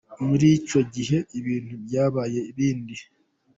Muri icyo gihe, ibintu byabaye ibindi !